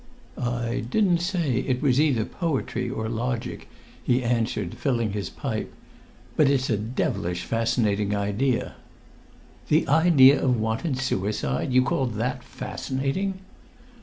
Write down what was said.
"I didn't say it was either poetry or logic," he answered, filling his pipe. "But it's a devilish fascinating idea." "The idea of wanton suicide? You call that fascinating?"